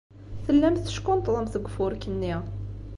Tellamt teckunṭḍemt deg ufurk-nni.